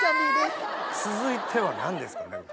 続いては何ですか？